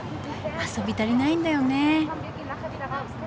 遊び足りないんだよね。